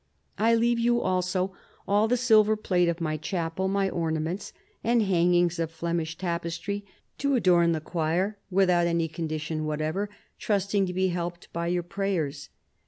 ..." I leave you also all the silver plate of my chapel, my ornaments, and hangings of Flemish tapestry, to adorn the choir, without any condition whatever, trusting to be helped by your prayers.